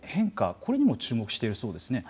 これにも注目しているそうですね。